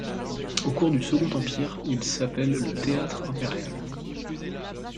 Au cours du Second Empire, il s’appelle le Théâtre impérial.